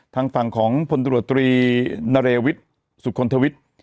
ทางฝั่งของพลตรวจตรีนเรวิทสุคลทวิทย์